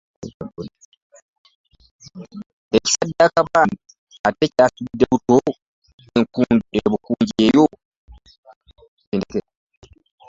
Ekisaddaaka baana ate kyasitudde buto enkundi e Bukunja eyo.